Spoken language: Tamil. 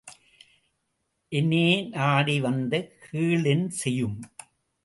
எனே நாடி வந்த கோளென் செயும்?